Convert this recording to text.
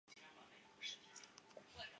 其剩下的两名力士搬到了桐山马厩。